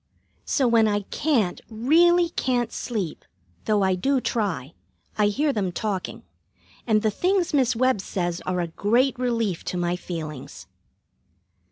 So when I can't, really can't, sleep, though I do try, I hear them talking, and the things Miss Webb says are a great relief to my feelings.